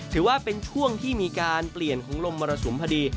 ถือว่าเป็นช่วงที่มีการเปลี่ยนของลมมรสุมพอดี